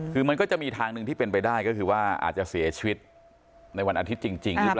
คือมันก็จะมีทางหนึ่งที่เป็นไปได้ก็คือว่าอาจจะเสียชีวิตในวันอาทิตย์จริงหรือเปล่า